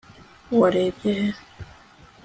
warebye he